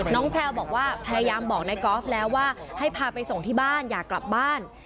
แพลวบอกว่าพยายามบอกนายกอล์ฟแล้วว่าให้พาไปส่งที่บ้านอยากกลับบ้าน